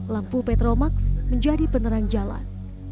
lampu petromax menjadi penerang jalan